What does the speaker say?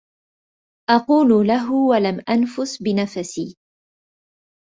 أقول له ولم أنفس بنفسي